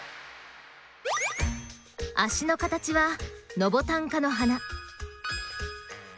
脚の形はノボタン科の花。